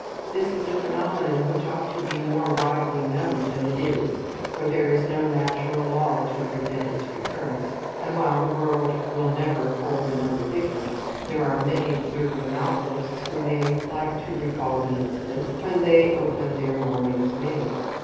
This is a phenomenon which ought to be more widely known than it is, for there is no natural law to prevent its recurrence; and while the world will never hold another Dickens, there are many deserving novelists who may like to recall the incident when they open their morning's mail.